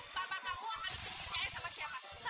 bapak kamu akan berpikir cahaya sama siapa